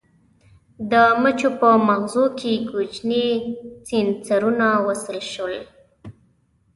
د مچیو په مغزو کې کوچني سېنسرونه وصل شول.